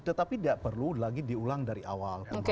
tetapi tidak perlu lagi diulang dari awal